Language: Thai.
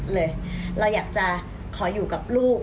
เลยเราอยากจะขออยู่กับลูก